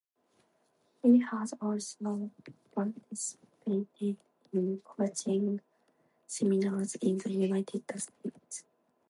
He has also participated in coaching seminars in the United States.